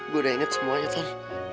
gue udah inget semuanya tuh